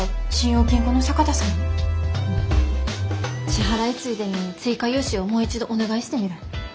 支払いついでに追加融資をもう一度お願いしてみる。